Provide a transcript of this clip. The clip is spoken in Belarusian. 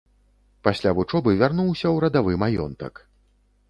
Пасля вучобы вярнуўся ў радавы маёнтак.